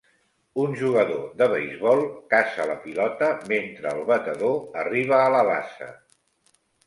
Un jugador de beisbol caça la pilota mentre el batedor arriba a la base.